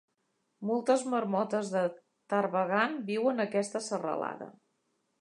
Moltes marmotes de Tarbagan viuen a aquesta serralada.